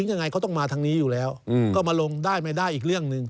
ยังไงเขาต้องมาทางนี้อยู่แล้วก็มาลงได้ไม่ได้อีกเรื่องหนึ่ง